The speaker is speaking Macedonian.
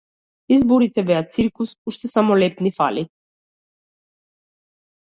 Изборите беа циркус, уште само леб ни фали.